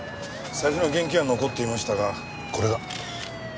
財布の現金は残っていましたがこれが。